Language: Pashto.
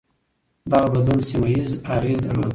دغه بدلون سيمه ييز اغېز درلود.